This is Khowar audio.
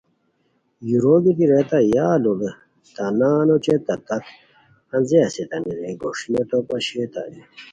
یُورو گیتی ریتائے یا لوڑے تہ نان اوچے تت تتے انزے اسیتانی رے گوݰینیو تو پاشئیتائے